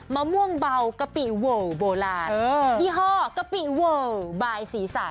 ไม้ม่วงเบากะปิโว้โบราณเอ่อยี่ห็อกะปิโว้ใบสีใส